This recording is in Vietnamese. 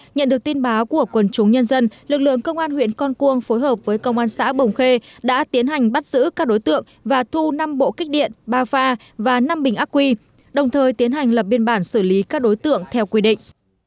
nhận được tin báo của quần chúng nhân dân lực lượng công an huyện con cuông phối hợp với công an xã bồng khê đã tiến hành bắt giữ các đối tượng và thu năm bộ kích điện ba pha và năm bình ác quy đồng thời tiến hành lập biên bản xử lý các đối tượng theo quy định